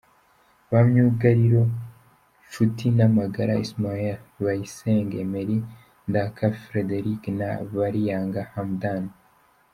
Ba myugariro : Nshutinamagara Ismail, Bayisenge Emery, Ndaka Frederic na Bariyanga Hamdan.